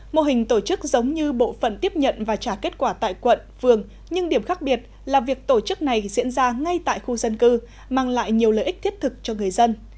mô hình tổ chức giống như bộ phận tiếp nhận và trả kết quả tại quận phường nhưng điểm khác biệt là việc tổ chức này diễn ra ngay tại khu dân cư mang lại nhiều lợi ích thiết thực cho người dân